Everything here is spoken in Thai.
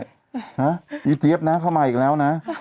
ฮะอีเจี๊ยบนะเข้ามาอีกแล้วนะ